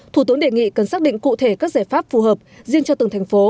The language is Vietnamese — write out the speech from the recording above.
thủ tướng đề nghị cần xác định cụ thể các giải pháp phù hợp riêng cho từng thành phố